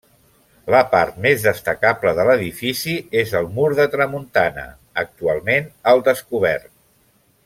La part més destacable de l'edifici és el mur de tramuntana, actualment al descobert.